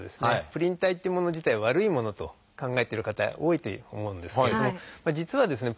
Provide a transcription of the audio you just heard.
プリン体っていうもの自体悪いものと考えてる方多いと思うんですけれども実はですね